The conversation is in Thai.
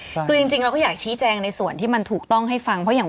คือจริงจริงเราก็อยากชี้แจงในส่วนที่มันถูกต้องให้ฟังเพราะอย่าง